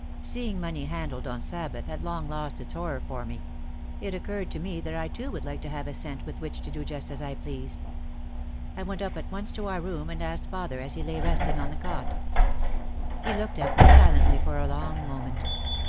Seeing money handled on Sabbath had long lost its horror for me. It occurred to me that I too would like to have a cent with which to do just as I pleased. I went up at once to our room and asked father as he lay resting on the cot. He looked at me silently for a long moment.